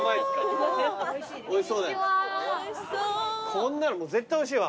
こんなのもう絶対おいしいわ。